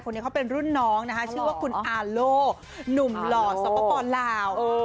คนนี้เขาเป็นรุ่นน้องนะคะชื่อว่าคุณอาโลหนุ่มหล่อสปลาว